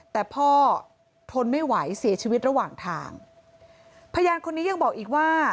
แต่พ่อทนไม่ไหวเสียชีวิตระหว่างทางพยานคนนี้ยังบอกอีกว่า